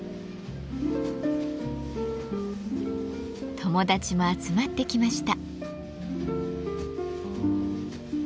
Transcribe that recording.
友達も集まってきました。